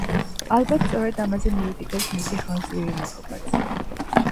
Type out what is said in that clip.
ალბათ სწორედ ამაზე მიუთითებს მისი ხანგრძლივი მეფობაც.